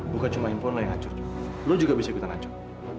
bukan cuma handphone lo yang ngacur lo juga bisa ikutan ngacur